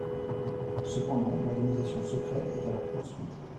Cependant, l’organisation secrète est à leur poursuite.